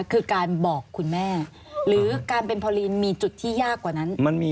คือการบอกคุณแม่หรือการเป็นพอลินมีจุดที่ยากกว่านั้น